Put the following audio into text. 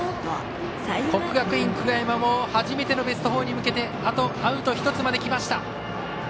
国学院久我山も初めてのベスト４に向けてあとアウト１つまできました。